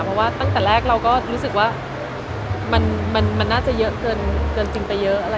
เพราะว่าตั้งแต่แรกเราก็รู้สึกว่ามันน่าจะเยอะเกินจริงไปเยอะ